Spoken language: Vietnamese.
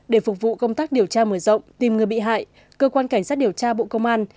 để phục vụ công tác điều tra mở rộng tìm người bị hại cơ quan cảnh sát điều tra bộ công an